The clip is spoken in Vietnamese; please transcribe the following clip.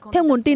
theo nguồn tin